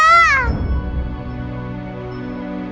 jeremy siapa jeremy